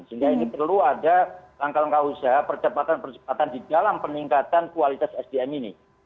sehingga ini perlu ada langkah langkah usaha percepatan percepatan di dalam peningkatan kualitas sdm ini